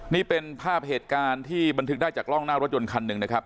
นี่เป็นภาพเหตุการณ์ที่บันทึกได้จากกล้องหน้ารถยนต์คันหนึ่งนะครับ